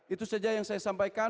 itu saja yang saya sampaikan